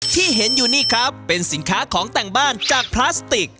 ที่เห็นอยู่นี่ครับเป็นสินค้าของแต่งบ้านจากพลาสติก